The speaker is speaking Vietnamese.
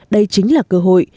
đây chính là cơ hội